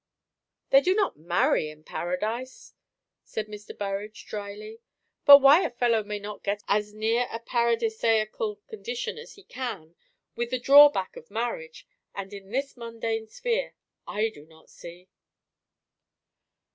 "They do not marry in Paradise," said Mr. Burrage dryly. "But why a fellow may not get as near a paradisaical condition as he can, with the drawback of marriage, and in this mundane sphere, I do not see."